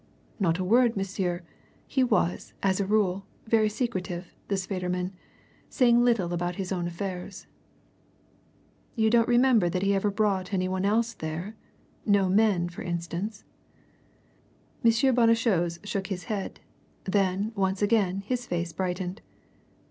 "Not a word, monsieur! He was, as a rule, very secretive, this Federman, saying little about his own affairs." "You don't remember that he ever brought any one else there! No men, for instance?" M. Bonnechose shook his head. Then, once again, his face brightened.